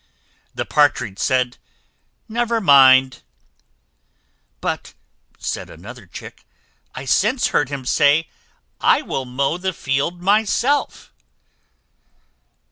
'" The Partridge said "Never mind." "But," said another Chick, "I since heard him say 'I will mow the field myself.'"